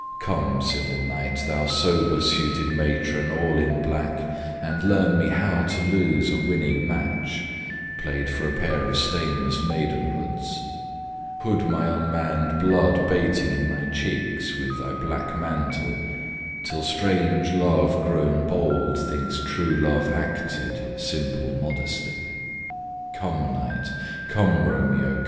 Come, civil night, Thou sober suited matron, all in black, And learn me how to lose a winning match, Play'd for a pair of stainless maidenhoods: Hood my unmann'd blood bating in my cheeks, With thy black mantle; till strange love, grown bold, Thinks true love acted, simple modesty. Come night! Come, Romeo!